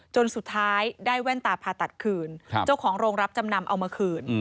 จนสุดท้ายได้แว่นตาผ่าตัดคืนเจ้าของโรงรับจำนำเอามาคืน